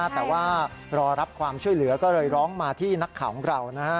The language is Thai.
แต่ว่ารอรับความช่วยเหลือก็เลยร้องมาที่นักข่าวของเรา